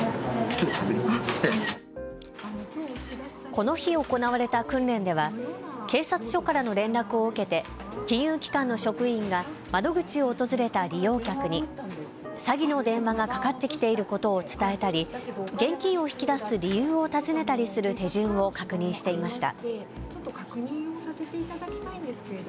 この日行われた訓練では警察署からの連絡を受けて金融機関の職員が窓口を訪れた利用客に詐欺の電話がかかってきていることを伝えたり現金を引き出す理由を訪ねたりする手順を確認していました。